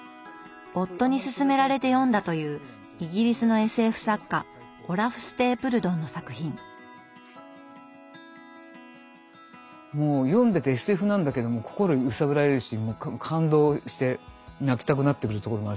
夫にすすめられて読んだというイギリスのもう読んでてＳＦなんだけども心揺さぶられるし感動して泣きたくなってくるところもあるし